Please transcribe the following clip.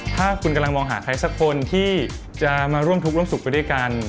ถ้าคุณกำลังมองหาใครสักคนที่จะมาร่วมทุกข์ร่วมสุขไปด้วยกัน